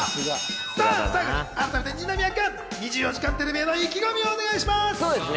最後に改めて二宮君、『２４時間テレビ』への意気込みをお願いします。